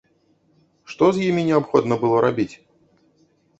Што з імі неабходна было рабіць?